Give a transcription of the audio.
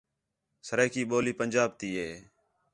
سرائیکی ٻولی پنجاب تی ہے